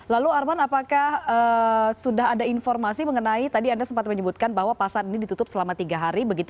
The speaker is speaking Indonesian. lalu arman apakah sudah ada informasi mengenai tadi anda sempat menyebutkan bahwa pasar ini ditutup selama tiga hari